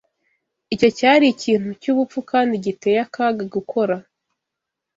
Icyo cyari ikintu cyubupfu kandi giteye akaga gukora.